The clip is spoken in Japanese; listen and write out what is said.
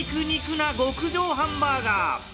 な極上ハンバーガー。